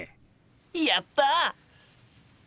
やった！